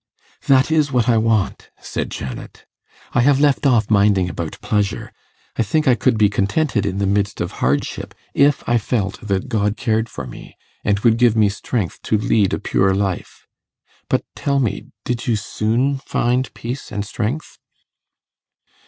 'That is what I want,' said Janet; 'I have left off minding about pleasure. I think I could be contented in the midst of hardship, if I felt that God cared for me, and would give me strength to lead a pure life. But tell me, did you soon find peace and strength?